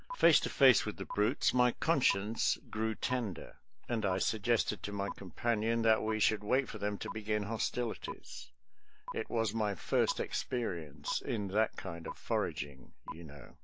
Face to face with the brutes, my conscience grew ten der, and I suggested to my companion that we should wait for them to begin hostilities — it was my first experience in that kind of foraging, you know.